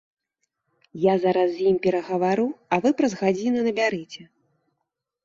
Я зараз з ім перагавару, а вы праз гадзіну набярыце.